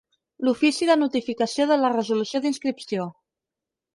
L'ofici de notificació de la resolució d'inscripció.